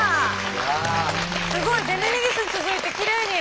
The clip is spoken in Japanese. すごいデメニギスに続いてきれいに。